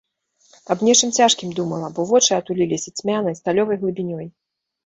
Аб нечым цяжкім думала, бо вочы атуліліся цьмянай, сталёвай глыбінёй.